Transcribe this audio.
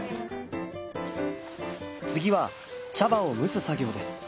次は茶葉を蒸す作業です。